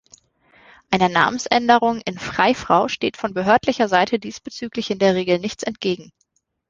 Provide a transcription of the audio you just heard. Einer Namensänderung in „Freifrau“ steht von behördlicher Seite diesbezüglich in der Regel nichts entgegen.